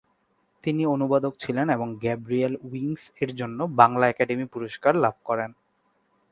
তিনি অনুবাদক ছিলেন এবং "গ্যাব্রিয়েল উইংস" এর জন্য বাংলা একাডেমি পুরস্কার লাভ করেন।